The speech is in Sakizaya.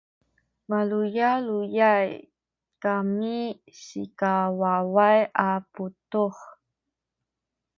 maluyaluyay kami sikawaway a puduh